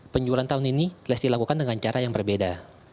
penjualan tahun ini lesti lakukan dengan cara yang berbeda